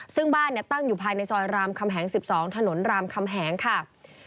ซึ่งบ้านตั้งอยู่ภายในซอยรามคำแหง๑๒ถนนรามคำแหงค่ะ